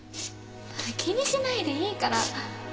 気にしないでいいから。